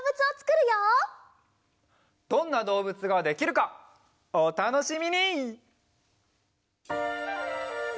どんなどうぶつができるかおたのしみに！